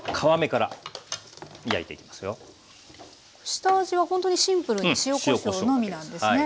下味はほんとにシンプルに塩・こしょうのみなんですね。